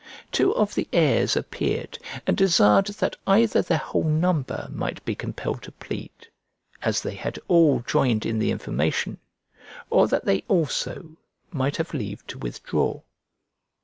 Two of the heirs appeared, and desired that either their whole number might be compelled to plead, as they had all joined in the information, or that they also might have leave to withdraw.